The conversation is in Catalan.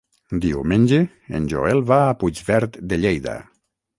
Diumenge en Joel va a Puigverd de Lleida.